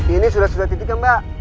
ini sudah sudah titik ya mbak